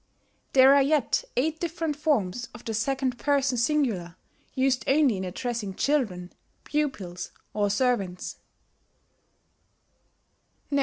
There are yet eight different forms of the second person singular used only in addressing children, pupils, or servants.